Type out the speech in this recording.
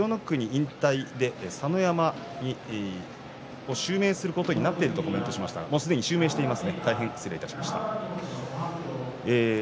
なお私先ほど千代の国引退で佐ノ山襲名することになっているとお伝えしましたがもうすでに襲名しています。